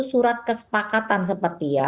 surat kesepakatan seperti ya